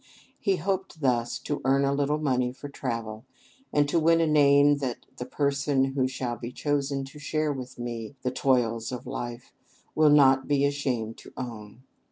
He hoped thus to earn a little money for travel, and "to win a name that the person who shall be chosen to share with me the toils of life will not be ashamed to own."